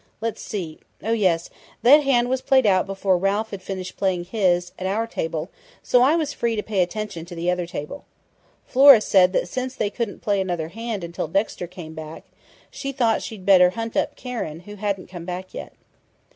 "Let's see Oh, yes! That hand was played out before Ralph had finished playing his, at our table, so I was free to pay attention to the other table. Flora said that since they couldn't play another hand until Dexter came back, she thought she'd better hunt up Karen, who hadn't come back yet."